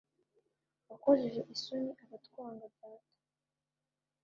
Wakojeje isoni abatwanga data